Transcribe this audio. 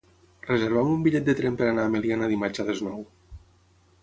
Reserva'm un bitllet de tren per anar a Meliana dimarts a les nou.